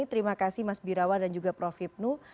terima kasih mas birawa dan juga prof hipnu